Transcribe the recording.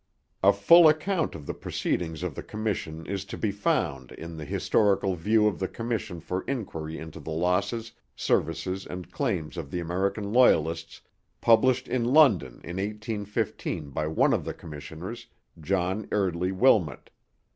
A full account of the proceedings of the commission is to be found in the Historical View of the Commission for Inquiry into the Losses, Services, and Claims of the American Loyalists, published in London in 1815 by one of the commissioners, John Eardley Wilmot.